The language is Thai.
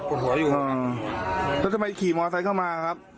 เอ่อนะว่าทำไมขี่มอเตคเข้ามาครับ